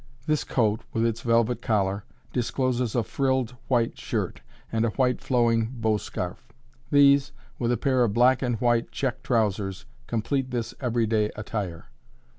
This coat, with its velvet collar, discloses a frilled white shirt and a white flowing bow scarf; these, with a pair of black and white check trousers, complete this every day attire.